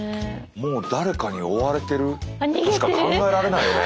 もう誰かに追われているとしか考えられないね。